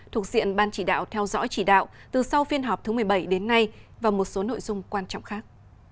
thuộc diện ban chỉ đạo theo dõi chỉ đạo từ sau phiên họp thứ một mươi bảy đến nay và một số nội dung quan trọng khác